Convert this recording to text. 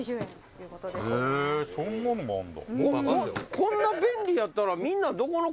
こんな便利やったらみんな。